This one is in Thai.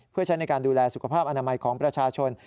เพื่อใช้ในการดูแลสุขภาพอนามัยของประชาชน